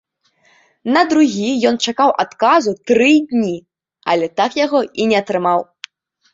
На другі ён чакаў адказу тры дні, але так яго і не атрымаў.